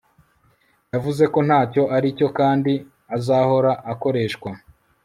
yavuze ko ntacyo aricyo kandi azahora akoreshwa